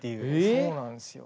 そうなんですよ。